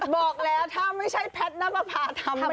บอกแล้วถ้าไม่ใช่แพทย์น้ำประพาทำไม่ได้